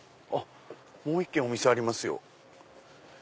もう１軒お店ありますよ。